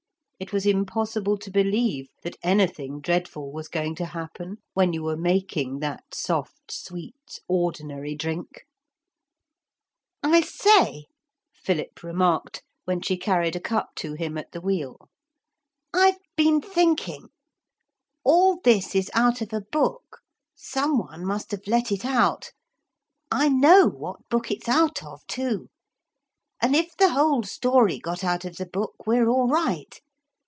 It was impossible to believe that anything dreadful was going to happen when you were making that soft, sweet, ordinary drink. 'I say,' Philip remarked when she carried a cup to him at the wheel, 'I've been thinking. All this is out of a book. Some one must have let it out. I know what book it's out of too. And if the whole story got out of the book we're all right.